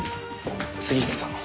杉下さん